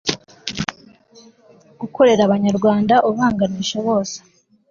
gukorera abanyarwanda ubaganisha bose